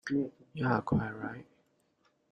You are quite right.